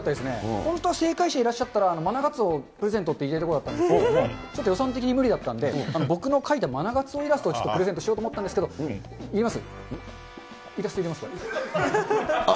本当は正解者いらっしゃったら、マナガツオ、プレゼントって言えるところだったんですけど、ちょっと予算的に無理だったんで、僕の描いたマナガツオイラストをちょっとプレゼントしようと思ったんですけど、いります？